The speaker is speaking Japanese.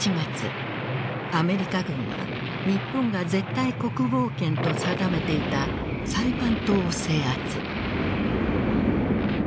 アメリカ軍は日本が絶対国防圏と定めていたサイパン島を制圧。